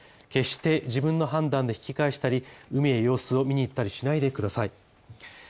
決して自分の判断で引き返したり、海へ様子を見に行ったりしないでください。